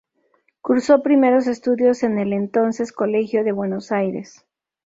Cursó primeros estudios en el entonces Colegio de Buenos Aires.